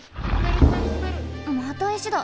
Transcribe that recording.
また石だ。